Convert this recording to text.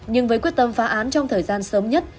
nhưng với quyết tâm phá án trong thời gian sớm nhất